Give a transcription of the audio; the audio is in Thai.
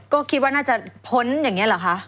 ก็คิดว่าน่าจะพ้นอย่างนี้เหรอคะ